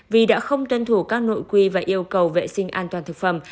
vì đã không tuân thủ các nội quy và yêu cầu vệ sinh an toàn thực phẩm